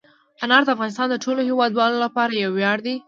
انار د افغانستان د ټولو هیوادوالو لپاره یو ویاړ دی.